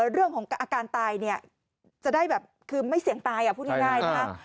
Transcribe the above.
เรื่องของอาการตายเนี่ยจะได้แบบคือไม่เสี่ยงตายพูดง่ายนะคะ